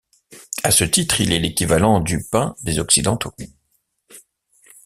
À ce titre, il est l'équivalent du pain des Occidentaux.